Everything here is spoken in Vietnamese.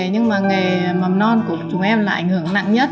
nhưng mà nghề mầm non của chúng em là ảnh hưởng nặng nhất